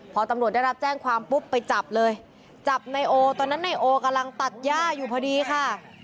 พอตำรวจได้รับแจ้งความปุ๊บไปจับเลยจับนายโอตอนนั้นนายโอกำลังตัดย่าอยู่พอดีค่ะ